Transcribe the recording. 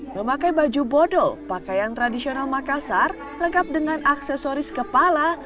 memakai baju bodoh pakaian tradisional makassar lengkap dengan aksesoris kepala